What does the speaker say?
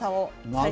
はい。